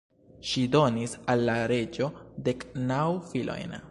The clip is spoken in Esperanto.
Ŝi donis al la reĝo dek naŭ filojn.